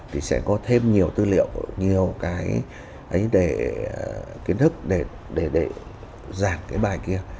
thì sẽ có thêm nhiều tư liệu nhiều cái ấy để kiến thức để giảng cái bài kia